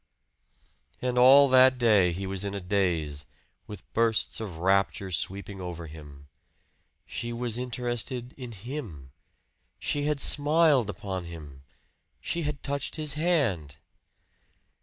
And all that day he was in a daze with bursts of rapture sweeping over him. She was interested in him! She had smiled upon him! She had touched his hand!